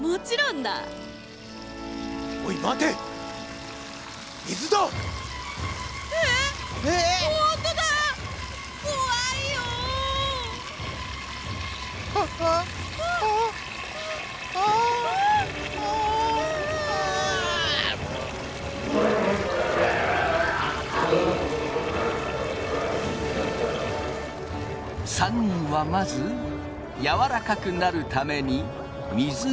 ３人はまずやわらかくなるために水につけられた。